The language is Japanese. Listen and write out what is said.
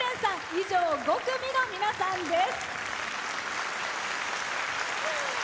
以上、５組の皆さんです。